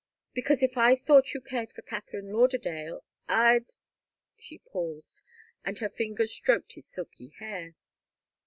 "Because if I thought you cared for Katharine Lauderdale I'd " She paused, and her fingers stroked his silky hair.